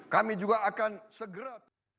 kami juga akan segera